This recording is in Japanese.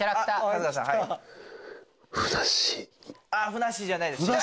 ふなっしーじゃないです。